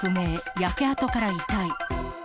焼け跡から遺体。